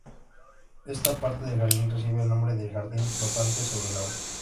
Esta parte del jardín recibe el nombre de "Jardín flotante sobre el agua".